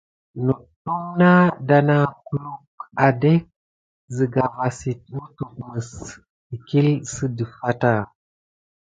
Nudum dana kulu adegue sika va sit wute mis tikile si defeta.